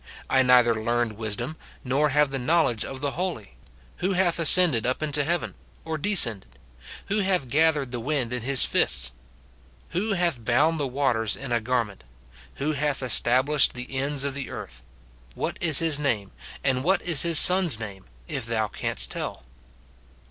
I neither learned wisdom, nor have the knowledge of the holy. Who hath ascended up into heaven, or descended ? who hath gathered the wind in his fists ? who hath bound the waters in a garment ? who hath established the ends of the earth ? what is his name, and what is his Son's name ? if thou canst, tell."